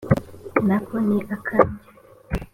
na ko ni akanjye